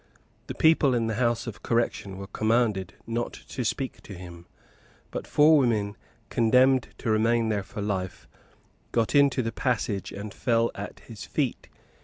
The people in the House of Correction were commanded not to speak to him; but four women, condemned to remain there for life, got into the passage, and fell at his feet.